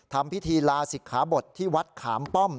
ทำพิธีลาศิกขาบทที่วัดขามป้อม